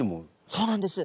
そうなんです。